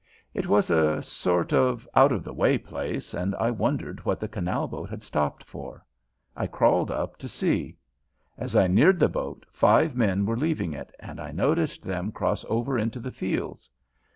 It was a sort of out of the way place, and I wondered what the canal boat had stopped for. I crawled up to see. As I neared the boat five men were leaving it, and I noticed them cross over into the fields.